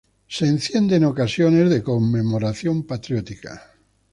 Es encendida en ocasiones de conmemoración patriótica.